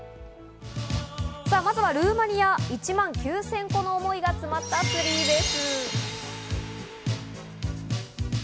まずはルーマニア、１万９０００個の思いが詰まったツリーです。